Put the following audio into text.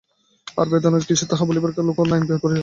তাহার বেদনা যে কিসের তাহা বলিবার লোকও এই বৃহৎ পরিবারে কেহ নাই।